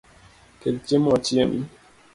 Kel chiemo wachiem